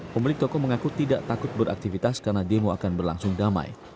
pemilik toko mengaku tidak takut beraktivitas karena demo akan berlangsung damai